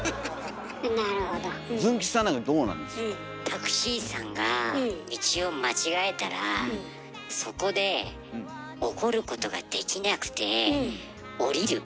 タクシーさんが道を間違えたらそこで怒ることができなくて降りる。